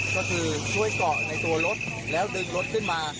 ก็คือช่วยเกาะในตัวรถแล้วดึงรถขึ้นมา